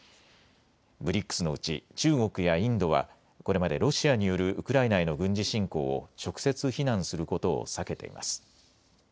ＢＲＩＣＳのうち中国やインドはこれまでロシアによるウクライナへの軍事侵攻を直接非難することを避けています。